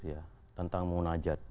ya tentang munajat